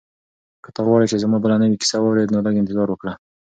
که ته غواړې چې زما بله نوې کیسه واورې نو لږ انتظار وکړه.